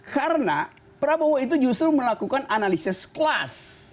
karena prabowo itu justru melakukan analisis kelas